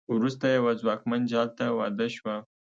وروسته یوه ځواکمن جال ته واده شوه.